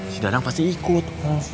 si dadang pasti ikut